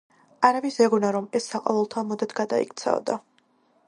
არავის ეგონა, რომ ეს საყოველთაო მოდად გადაიქცეოდა.